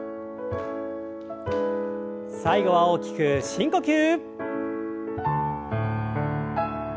最後は大きく深呼吸。